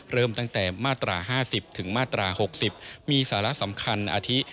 เริ่มตั้งแต่มาตรา๕๐ถึงมาตรา๖๐มีสาระสำคัญอาทิ